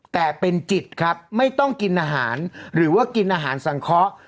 แต่เป็นจิตครับไม่ต้องกินอาหารหรือว่ากินอาหารสังเคราะห์